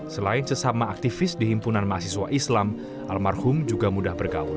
selain sesama aktivis di himpunan mahasiswa islam almarhum juga mudah bergaul